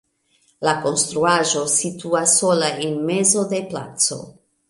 La konstruaĵo situas sola en mezo de placo.